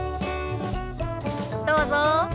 どうぞ。